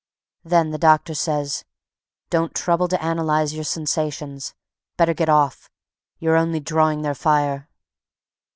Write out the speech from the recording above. Then the doctor says: "Don't trouble to analyze your sensations. Better get off. You're only drawing their fire."